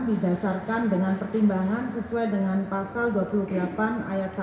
didasarkan dengan pertimbangan sesuai dengan pasal dua puluh delapan ayat satu